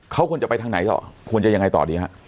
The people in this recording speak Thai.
เขาควรจะไปทางไหนต่อควรจะยังไงต่อดีฮะ